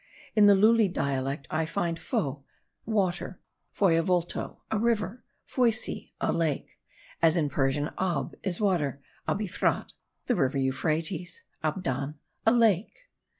In the Lule dialect I find fo, water; foyavolto, a river; foysi, a lake; as in Persian, ab is water; abi frat, the river Euphrates; abdan, a lake.